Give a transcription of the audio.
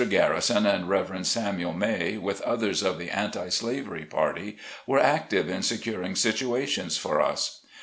Garrison and Rev. Samuel May, with others of the Anti slavery Party, were active in securing situations for us.